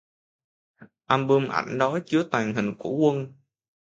Album ảnh đó chứa toàn hình của quân